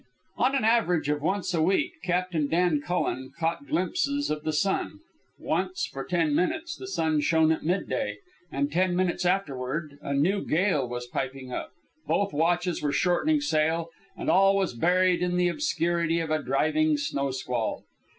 On an average of once a week Captain Dan Cullen caught glimpses of the sun. Once, for ten minutes, the sun shone at midday, and ten minutes afterward a new gale was piping up, both watches were shortening sail, and all was buried in the obscurity of a driving snow squall.